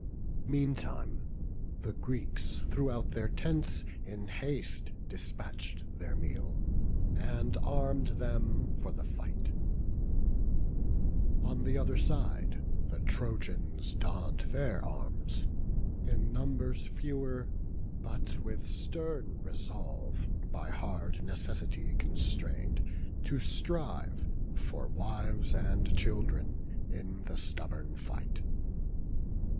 Meantime, the Greeks throughout their tents in haste Despatch'd their meal, and arm'd them for the fight; On th' other side the Trojans donn'd their arms, In numbers fewer, but with stern resolve, By hard necessity constrain'd, to strive, For wives and children, in the stubborn fight.